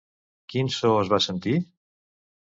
Quin so es va sentir?